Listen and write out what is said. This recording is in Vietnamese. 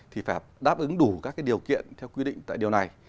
thì phải đáp ứng đủ các điều kiện theo quy định tại điều này